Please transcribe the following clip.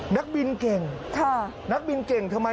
นักบินเก่งนักบินเก่งทำไม